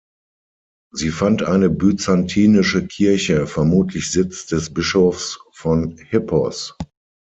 Sie fand eine byzantinische Kirche, vermutlich Sitz des Bischofs von Hippos.